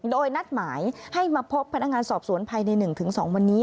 โดยนัดหมายให้มาพบพนักงานสอบสวนภายใน๑๒วันนี้